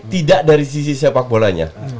tidak dari sisi sepak bolanya